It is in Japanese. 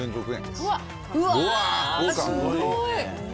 すごい！